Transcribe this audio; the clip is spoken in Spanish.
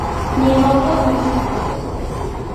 Ni en otros muchos puntos.